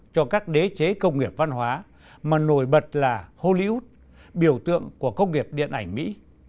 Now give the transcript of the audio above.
cho các đế chế công nghiệp văn hóa mà nổi bật là hollywood biểu tượng của công nghiệp điện ảnh mỹ